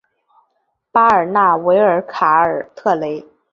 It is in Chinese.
巴尔纳维尔卡尔特雷。